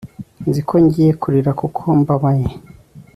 nzi ko ngiye kurira kuko mbabaye